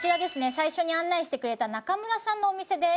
最初に案内してくれた中村さんのお店です。